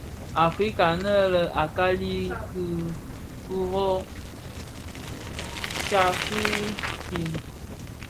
Afrika nʼl, a kali ki rö, a tsad king kii.